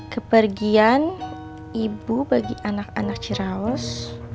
kepergian ibu bagi anak anak cirawas